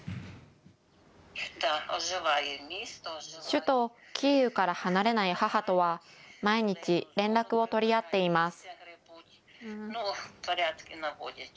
首都キーウから離れない母とは毎日、連絡を取り合っています。